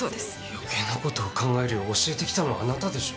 余計なことを考えるよう教えてきたのはあなたでしょ？